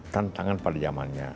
tantangan pada zamannya